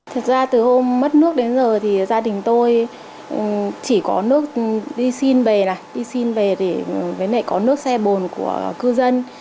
thật ra từ hôm mất nước đến giờ thì gia đình tôi chỉ có nước đi xin về đi xin về thì có nước xe bồn của cư dân